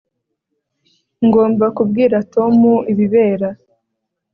ngomba kubwira tom ibibera